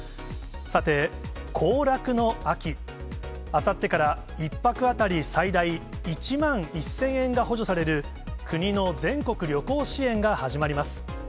あさってから１泊当たり最大１万１０００円が補助される国の全国旅行支援が始まります。